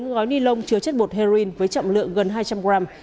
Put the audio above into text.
bốn gói ni lông chứa chất bột heroin với trọng lượng gần hai trăm linh gram